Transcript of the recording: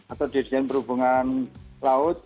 atau desain perhubungan laut